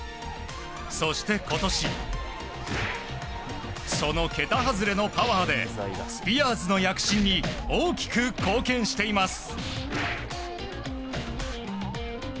そして今年そのけた外れのパワーでスピアーズの躍進に大きく貢献しています。